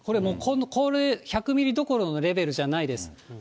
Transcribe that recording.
これ、１００ミリどころのレベルじゃないです。